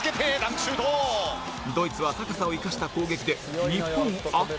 ドイツは高さを生かした攻撃で日本を圧倒。